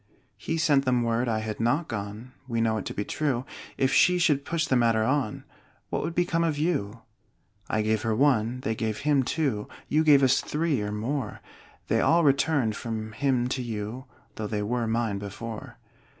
He sent them word I had not gone (We know it to be true); If she should push the matter on, What would become of you? I gave her one, they gave him two, You gave us three or more; They all returned from him to you, Though they were mine before.